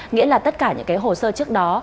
nghĩa là tất cả những hồ sơ trước đó